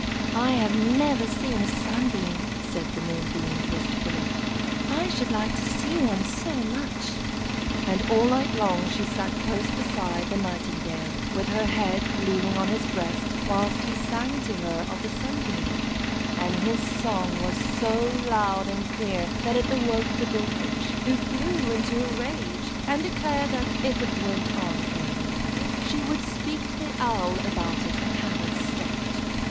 "I have never seen a Sunbeam," said the Moonbeam, wistfully. "I should like to see one so much;" and all night long she sat close beside the Nightingale, with her head leaning on his breast whilst he sang to her of the Sunbeam; and his song was so loud and clear that it awoke the Bullfinch, who flew into a rage, and declared that if it went on any longer she would speak to the Owl about it, and have it stopped.